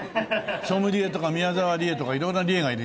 ソムリエとか宮沢りえとか色んな「リエ」がいるじゃない。